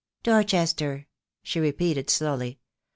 "Dorchester," she repeated slowly.